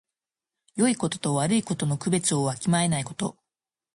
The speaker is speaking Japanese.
よいことと悪いことの区別をわきまえないこと。